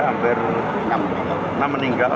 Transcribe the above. hampir enam meninggal